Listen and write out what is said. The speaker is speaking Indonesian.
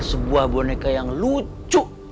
sebuah boneka yang lucu